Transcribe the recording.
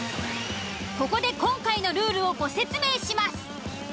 ここで今回のルールをご説明します。